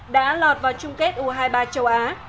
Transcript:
đã lọt vào chung kết u hai mươi ba châu á